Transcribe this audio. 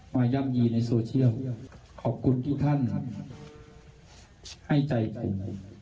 ย่ำยีในโซเชียลขอบคุณทุกท่านให้ใจกัน